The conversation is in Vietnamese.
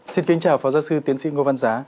xin kính chào phó giáo sư tiến sĩ ngô văn giá